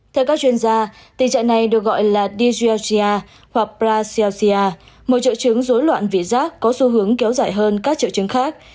theo các chuyên gia tình trạng này được gọi là digiagia hoặc brazilcia một triệu chứng dối loạn vị giác có xu hướng kéo dài hơn các triệu chứng khác